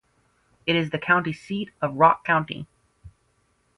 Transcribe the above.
It is the county seat of Rock County.